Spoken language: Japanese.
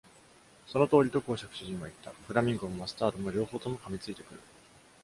「その通り」と公爵夫人は言った。「フラミンゴもマスタードも、両方とも噛み付いてくる」。